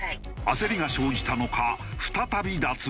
焦りが生じたのか再び脱輪。